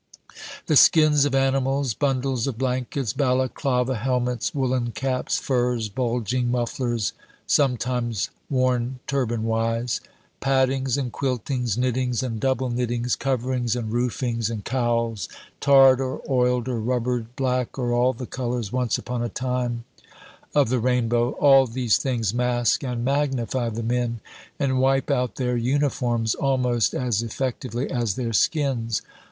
The skins of animals, bundles of blankets, Balaklava helmets, woolen caps, furs, bulging mufflers (sometimes worn turban wise), paddings and quiltings, knittings and double knittings, coverings and roofings and cowls, tarred or oiled or rubbered, black or all the colors (once upon a time) of the rainbow all these things mask and magnify the men, and wipe out their uniforms almost as effectively as their skins.